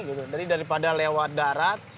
jadi daripada lewat darat